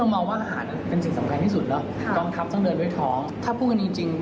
ลำใจตรงนี้มาช่วยพวกคุณนะครับ